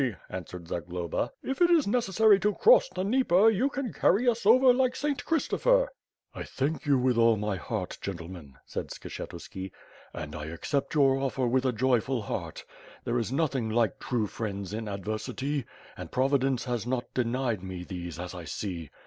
answered Zagloba, "If it is necessary to cross the Dnieper, you can carry us over like St. Christopher." "I thank you with all my heart, gentlemen," said Skshe tuski, *'and I accept your offer with a joyful heart. ♦ There is nothing like true friends in adversity, and Providence has not denied me these, as I see.